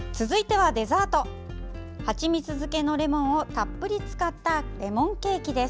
はちみつ漬けのレモンをたっぷり使ったレモンケーキです。